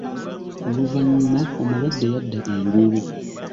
Oluvanyuma omulwadde yadda engulu.